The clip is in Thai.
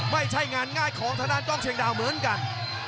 ไม่ใช่งานง่ายของทางด้านกล้องเชียงดาวเหมือนกัน